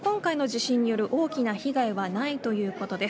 今回の地震による大きな被害はないということです。